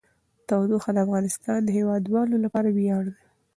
تودوخه د افغانستان د هیوادوالو لپاره ویاړ دی.